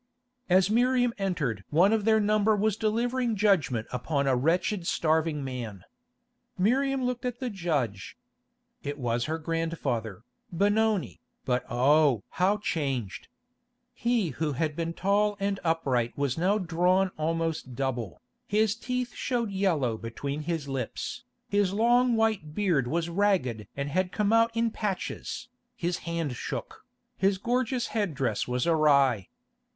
As Miriam entered one of their number was delivering judgment upon a wretched starving man. Miriam looked at the judge. It was her grandfather, Benoni, but oh! how changed. He who had been tall and upright was now drawn almost double, his teeth showed yellow between his lips, his long white beard was ragged and had come out in patches, his hand shook, his gorgeous head dress was awry.